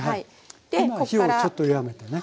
今火をちょっと弱めてね。